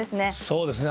そうですね。